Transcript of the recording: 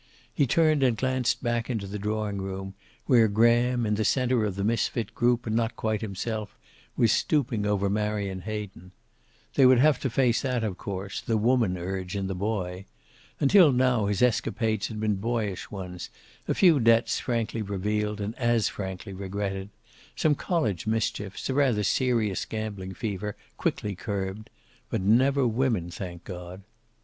He turned and glanced back into the drawing room, where Graham, in the center of that misfit group and not quite himself, was stooping over Marion Hayden. They would have to face that, of course, the woman urge in the boy. Until now his escapades had been boyish ones, a few debts frankly revealed and as frankly regretted, some college mischiefs, a rather serious gambling fever, quickly curbed. But never women, thank God.